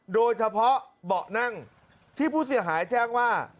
โดยเฉพาะเบาะนั่งที่ผู้เสียหายแจ้งว่า